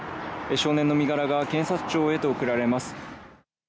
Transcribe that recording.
少年の身柄が検察庁へと送られます。